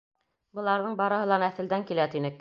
Быларҙың барыһы ла нәҫелдән килә, тинек.